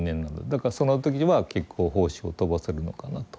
だからその時は結構胞子を飛ばせるのかなと。